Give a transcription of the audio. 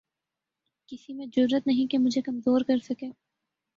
کسی میں جرات نہیں کہ مجھے کمزور کر سکے